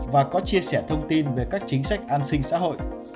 và có chia sẻ thông tin về các chính sách an sinh xã hội